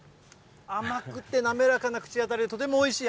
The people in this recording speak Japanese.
甘くて滑らかな口当たりでとてもおいしい。